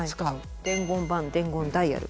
伝言板伝言ダイヤル。